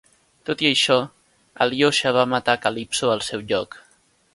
Tot i això, Alyosha va matar Calypso al seu lloc.